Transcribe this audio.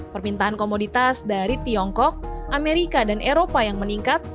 permintaan komoditas dari tiongkok amerika dan eropa yang meningkat